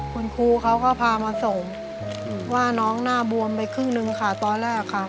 คุณครูเขาก็พามาส่งว่าน้องหน้าบวมไปครึ่งหนึ่งค่ะตอนแรกค่ะ